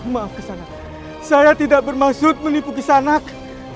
maaf kisangat saya tidak bermaksud menipu kisangat